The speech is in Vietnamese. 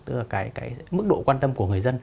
tức là mức độ quan tâm của người dân